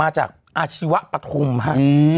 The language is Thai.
มาจากอาชีวะประธุมฮะ